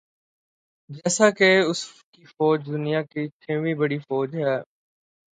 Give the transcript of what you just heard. جیسا کہ اس کی فوج دنیا کی چھویں بڑی فوج ہے